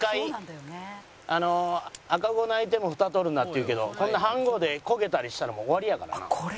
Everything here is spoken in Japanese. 「赤子泣いても蓋取るな」って言うけど飯ごうで焦げたりしたらもう終わりやからな。